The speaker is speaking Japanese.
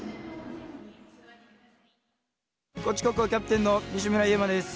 高知高校キャプテンの西村侑真です。